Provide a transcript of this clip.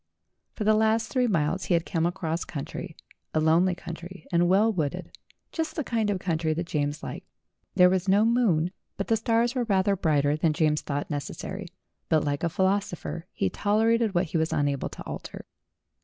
For the last three miles he had come across country, a lonely country and well wooded, just the kind of country that James liked. There was no moon, but the stars were rather brighter than James thought necessary; but like a philosopher he tolerated what he was unable to alter.